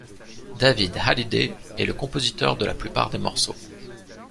David Hallyday est le compositeur de la plupart des morceaux.